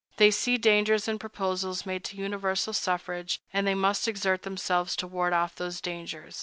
They see dangers in proposals made to universal suffrage, and they must exert themselves to ward off those dangers.